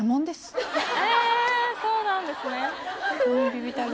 えそうなんですね